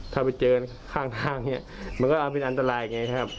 ถ้าไปเจอข้างทางเนี่ยมันก็เป็นอันตรายไงครับ